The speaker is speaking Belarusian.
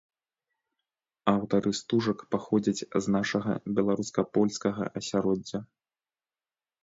Аўтары стужак паходзяць з нашага беларуска-польскага асяроддзя.